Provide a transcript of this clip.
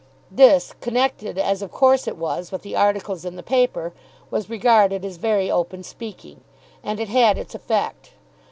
This, connected as of course it was, with the articles in the paper, was regarded as very open speaking. And it had its effect.